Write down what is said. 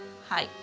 はい。